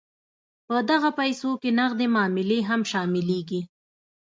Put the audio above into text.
په دغه پیسو کې نغدې معاملې هم شاملیږي.